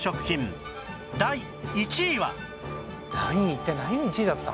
一体何１位だった？